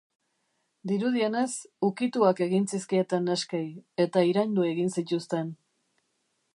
Dirudienez, ukituak egin zizkieten neskei, eta iraindu egin zituzten.